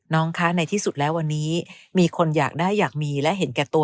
น้องคะในที่สุดแล้ววันนี้มีคนอยากได้อยากมีและเห็นแก่ตัว